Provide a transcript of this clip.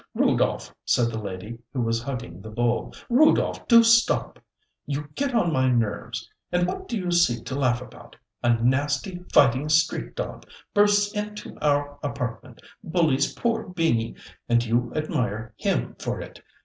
"Rudolph," said the lady, who was hugging the bull, "Rudolph, do stop. You get on my nerves. And what do you see to laugh about? A nasty, fighting, street dog bursts into our apartment, bullies poor Beanie, and you admire him for it.